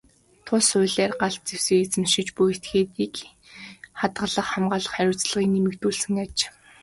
Тус хуулиар галт зэвсэг эзэмшиж буй этгээдийн хадгалах, хамгаалах хариуцлагыг нэмэгдүүлсэн аж.